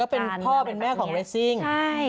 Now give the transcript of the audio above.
เป็นพ่อเป็นแม่ของเรสซิ่ง